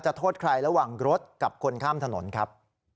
โทษใครระหว่างรถกับคนข้ามถนนครับ